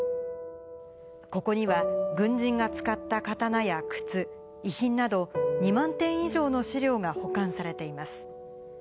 ここには、軍人が使った刀や靴、遺品など、２万点以上の資料が保管されています。